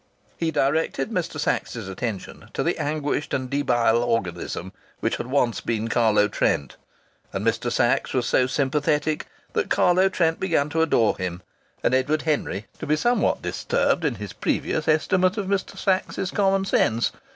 He directed Mr. Sachs's attention to the anguished and debile organism which had once been Carlo Trent, and Mr. Sachs was so sympathetic that Carlo Trent began to adore him, and Edward Henry to be somewhat disturbed in his previous estimate of Mr. Sachs's common sense.